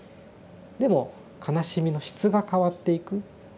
でも悲しみの質が変わっていく。